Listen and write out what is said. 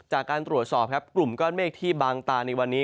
จากการตรวจสอบครับกลุ่มก้อนเมฆที่บางตาในวันนี้